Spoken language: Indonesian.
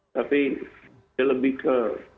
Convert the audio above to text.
tapi dia lebih ke